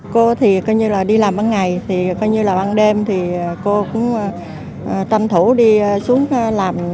cô thì coi như là đi làm ban ngày thì coi như là ban đêm thì cô cũng tranh thủ đi xuống làm